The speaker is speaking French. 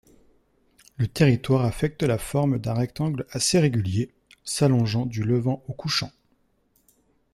Le territoire affecte la forme d’un rectangle assez régulier, s’allongeant du levant au couchant.